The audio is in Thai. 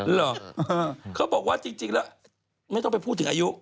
เหรอเขาบอกว่าจริงแล้วไม่ต้องไปพูดถึงอายุ